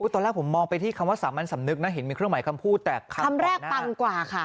ตอนแรกผมมองไปที่คำว่าสามัญสำนึกนะเห็นมีเครื่องหมายคำพูดแตกคำคำแรกปังกว่าค่ะ